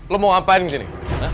lo mau ngapain disini